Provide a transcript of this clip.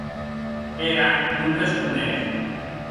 Era non responec.